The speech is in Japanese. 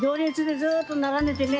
ずっと混んでてね。